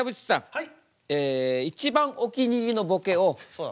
はい。